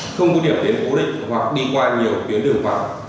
không có điểm tiến cố định hoặc đi qua nhiều tuyến đường vòng